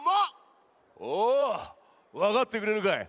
おおわかってくれるかい？